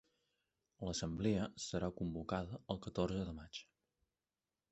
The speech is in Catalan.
L'assemblea serà convocada el catorze de maig.